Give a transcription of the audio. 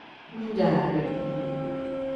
Min-jaari.